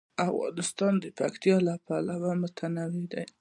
افغانستان د پکتیا له پلوه متنوع دی.